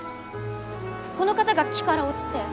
この方が木から落ちて。